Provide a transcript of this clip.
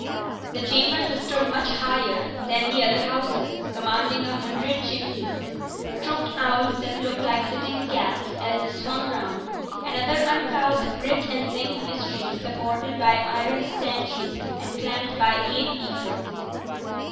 The chambers stood much higher than the other houses, commanding a hundred chimneys—crooked cowls that looked like sitting cats as they swung round, and other uncouth brick and zinc mysteries supported by iron stanchions and clamped by 8 pieces.